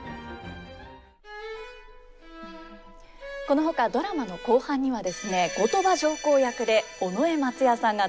このほかドラマの後半にはですね後鳥羽上皇役で尾上松也さんが登場します。